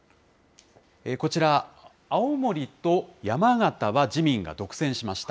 こちら、青森と山形は自民が独占しました。